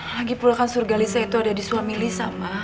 lagipul kan surga lisa itu ada di suami lisa ma